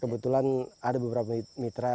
kebetulan ada beberapa mitra